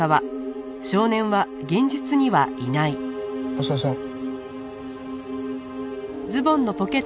浅輪さん？